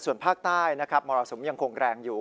ส่วนภาคใต้มรสมยังคงแรงอยู่